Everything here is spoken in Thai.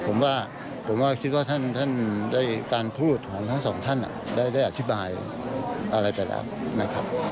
ผมว่าผมก็คิดว่าท่านได้การพูดของทั้งสองท่านได้อธิบายอะไรไปแล้วนะครับ